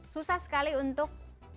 susah sekali untuk